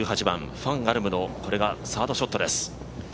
１８番、ファン・アルムのこれがサードショットです。